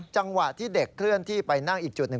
จังหวะที่เด็กเคลื่อนที่ไปนั่งอีกจุดหนึ่ง